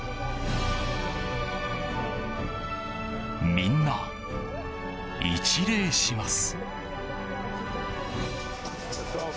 みんな一礼します。